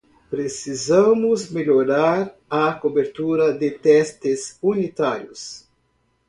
Precisamos melhorar a cobertura de testes unitários.